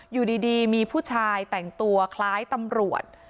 อยู่ดีมีผู้ชายแต่งตัวคล้ายตำรวจ